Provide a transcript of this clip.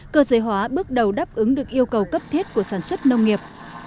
cơ giới hóa bước đầu đáp ứng được yêu cầu cấp thiết của sản xuất nông nghiệp